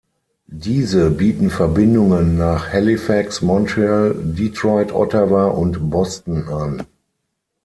Diese bieten Verbindungen nach Halifax, Montreal, Detroit, Ottawa und Boston an.